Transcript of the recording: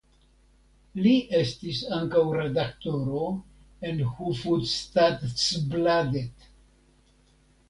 Li estis ankaŭ redaktoro en Hufvudstadsbladet.